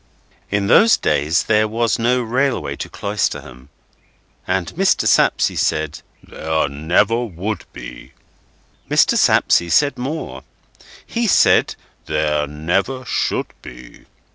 In those days there was no railway to Cloisterham, and Mr. Sapsea said there never would be. Mr. Sapsea said more; he said there never should be.